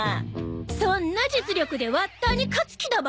そんな実力でワッターに勝つ気だば？